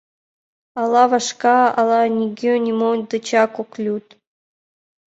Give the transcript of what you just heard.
Ала вашка, ала нигӧ-нимо дечак ок лӱд.